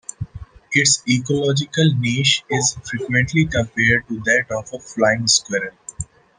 Its ecological niche is frequently compared to that of a flying squirrel.